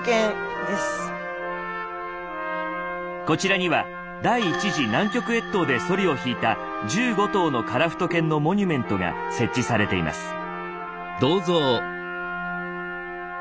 こちらには第１次南極越冬でソリを引いた１５頭のカラフト犬のモニュメントが設置されています。